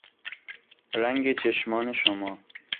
رنگ چشمان شما